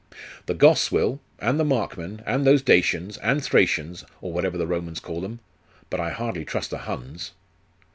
'The Goths will, and the Markmen, and those Dacians, and Thracians, or whatever the Romans call them. But I hardly trust the Huns.